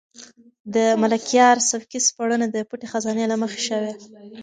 د ملکیار سبکي سپړنه د پټې خزانې له مخې شوې.